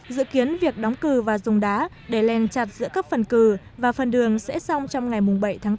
dự kiến việc đóng cửa và dùng đá để len chặt giữa các phần cử và phần đường sẽ xong trong ngày bảy tháng bốn